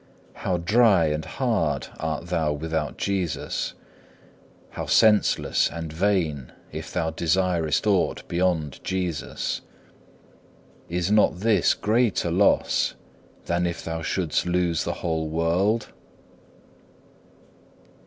How dry and hard art thou without Jesus! How senseless and vain if thou desirest aught beyond Jesus! Is not this greater loss than if thou shouldst lose the whole world?